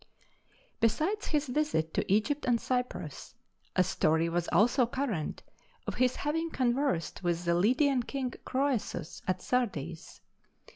Besides his visit to Egypt and Cyprus, a story was also current of his having conversed with the Lydian king Croesus at Sardis.